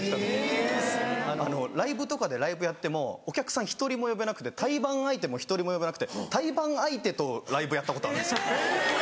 ・へぇ・ライブとかでライブやってもお客さん１人も呼べなくて対バン相手も１人も呼べなくて対バン相手とライブやったことあるんですよ。